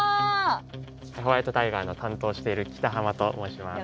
ホワイトタイガーの担当をしている北濱と申します。